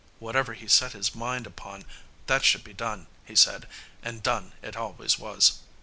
Whatever he set his mind upon, that should be done, he said, and done it always was.